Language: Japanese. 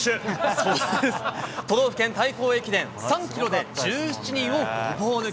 そうです、都道府県対抗駅伝、３キロで、１７人をごぼう抜き。